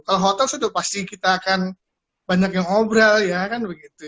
kalau hotel sudah pasti kita akan banyak yang ngobrol ya kan begitu